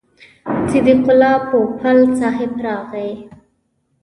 صدیق الله پوپل صاحب راغی.